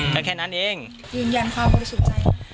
ก็แค่นั้นเองยืนยันความบริสุทธิ์ใจ